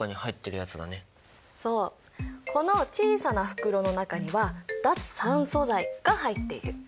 そうこの小さな袋の中には脱酸素剤が入っている。